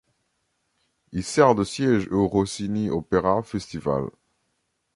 Il sert de siège au Rossini Opera Festival.